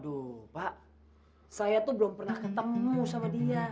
aduh pak saya tuh belum pernah ketemu sama dia